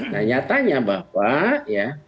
nah nyatanya bapak ya